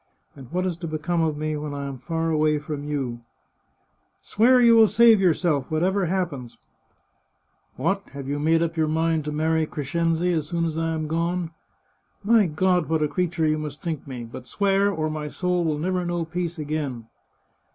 And what is to become of me when I am far away from you ?"" Swear you will save yourself, whatever happens !"" What ! Have you made up your mind to marry Crescenzi as soon as I am gone ?"" My God, what a creature you must think me !— But swear, or my soul will never know peace again